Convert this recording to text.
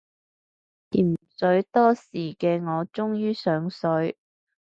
潛水多時嘅我終於上水